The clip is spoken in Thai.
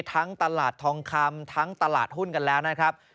ทั้งตลาดทองคำทั้งตลาดหุ้นกันแล้วนะครับ